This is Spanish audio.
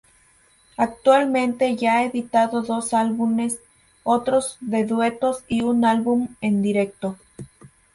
Actualmente ya ha editado dos álbumes, otro de duetos y un álbum en directo.